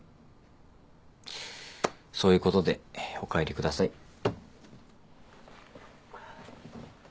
そういうことでお帰りください。